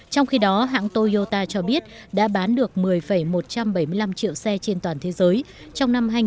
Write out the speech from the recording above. trong khi đó hãng toyota cho biết đã bán được một mươi một trăm bảy mươi năm triệu xe trên toàn thế giới trong năm hai nghìn một mươi sáu tăng hai